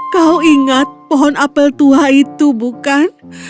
kau ingat pohon apel tua itu bukan